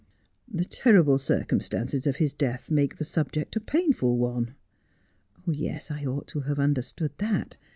' The terrible circumstances of his death make the subject a painful one.' ' Yes, I ought to have understood that.